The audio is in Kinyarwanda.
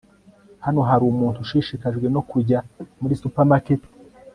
hano hari umuntu ushishikajwe no kujya muri supermarket